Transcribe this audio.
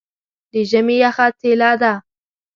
د ژمي یخه څیله ده.